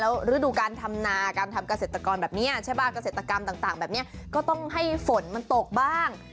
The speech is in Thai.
ฤดูการทำนาการทำเกษตรกรแบบนี้ใช่ป่ะเกษตรกรรมต่างแบบนี้ก็ต้องให้ฝนมันตกบ้าง